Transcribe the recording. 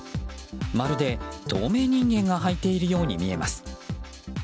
まるで透明人間がはいているように見えます。